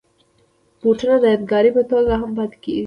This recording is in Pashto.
بوټونه د یادګار په توګه هم پاتې کېږي.